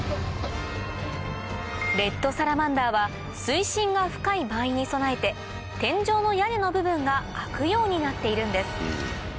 レッドサラマンダーは水深が深い場合に備えて天井の屋根の部分が開くようになっているんです